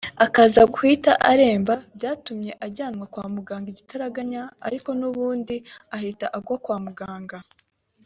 akaza guhita aremba byatumye ajyanwa kwa muganga igitaraganya ariko n’ubundi ahita agwa kwa muganga